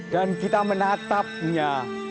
dan kita menatapnya